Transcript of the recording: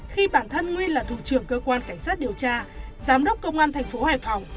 khi bản thân nguyên là thủ trưởng cơ quan cảnh sát điều tra giám đốc công an thành phố hải phòng